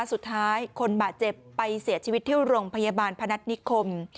สุดท้ายคนบาดเจ็บไปเสียชีวิตที่โรงพยาบาลพนัฐนิคม